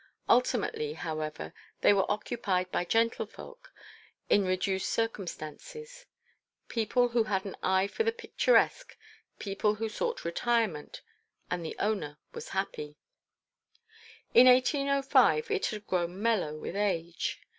Ultimately, however, they were occupied by gentlefolk in reduced circumstances; people who had an eye for the picturesque, people who sought retirement; and the owner was happy. In 1805 it had grown mellow with age.